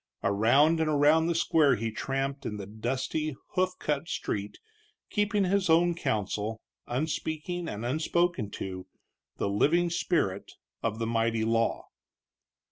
Around and around the square he tramped in the dusty, hoof cut street, keeping his own counsel, unspeaking and unspoken to, the living spirit of the mighty law.